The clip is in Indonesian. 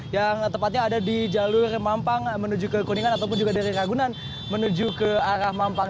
yang tepatnya ada di jalur mampang menuju ke kuningan ataupun juga dari ragunan menuju ke arah mampang